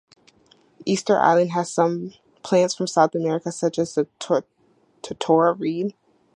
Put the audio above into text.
Easter Island has some plants from South America such as the totora reed.